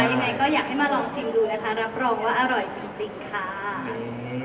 อย่างไงก็อยากให้มาชิมดู